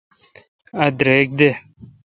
اؘ درک دے۔